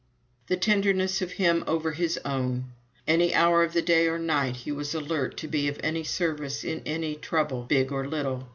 The tenderness of him over his own! Any hour of the day or night he was alert to be of any service in any trouble, big or little.